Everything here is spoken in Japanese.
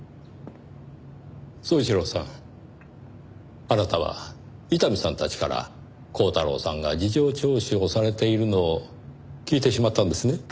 宗一郎さんあなたは伊丹さんたちから光太郎さんが事情聴取をされているのを聞いてしまったんですね。